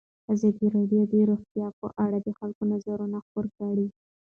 ازادي راډیو د روغتیا په اړه د خلکو نظرونه خپاره کړي.